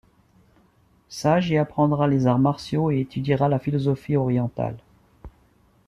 Sage y apprendra les arts martiaux et étudiera la philosophie orientale.